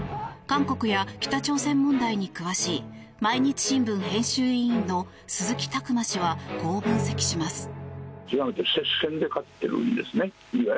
韓国や北朝鮮問題に詳しい毎日新聞編集委員の鈴木琢磨氏はこう分析します。